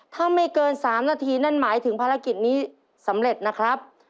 ถ้าไม่เกิน๓นาทีนั่นหมายถึงภารกิจนี้สำเร็จนะครับ